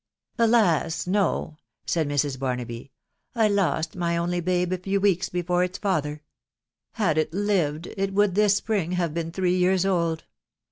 "Alas! no," .... said Mrs. Barnaby; "Y lost my only babe a few weeks before its father Had it lived, it would this spring have been three years old